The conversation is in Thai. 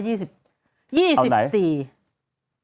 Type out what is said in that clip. เอาไหน๒๔